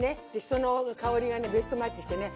その香りがねベストマッチしてね。